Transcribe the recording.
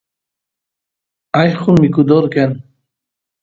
allqo mikudor kan